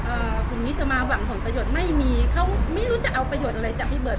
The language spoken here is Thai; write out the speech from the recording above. กลุ่มนี้จะมาหวังผลประโยชน์ไม่มีเขาไม่รู้จะเอาประโยชน์อะไรจากพี่เบิร์